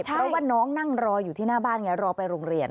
เพราะว่าน้องนั่งรออยู่ที่หน้าบ้านไงรอไปโรงเรียน